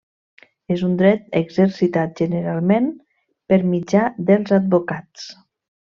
És un dret exercitat generalment per mitjà dels advocats.